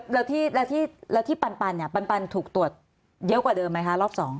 แล้วแล้วที่แล้วที่ปันอะปันถูกตรวจเยอะกว่าเดิมไหมคะรอบสอง